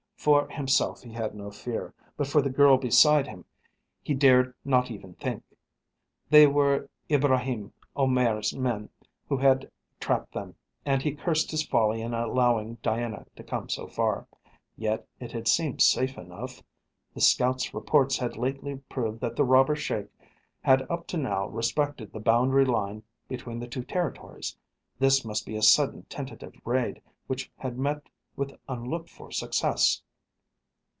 For himself he had no fear, but for the girl beside him he dared not even think. They were Ibraheim Omair's men who had trapped them, and he cursed his folly in allowing Diana to come so far. Yet it had seemed safe enough. The scout's reports had lately proved that the robber Sheik had up to now respected the boundary line between the two territories. This must be a sudden tentative raid which had met with unlooked for success.